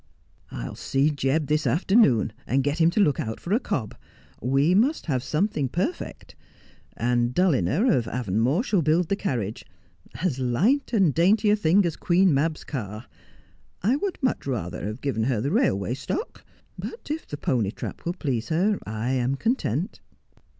' I'll see Jebb this afternoon and get him to look out for a cob. We must have something perfect. And Dulliner, of Avonmore, shall build the carriage — as light and dainty a thing as Queen Mab's car. I would much rather have given her the railway stock — but if the pony trap will please her, I am content.'